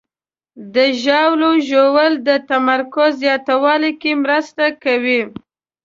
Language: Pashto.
د ژاولې ژوول د تمرکز زیاتولو کې مرسته کوي.